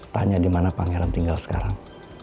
tanya di mana pangeran tinggal sekarang